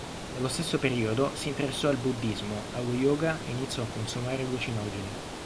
Nello stesso periodo si interessò al buddhismo, allo yoga e iniziò a consumare allucinogeni.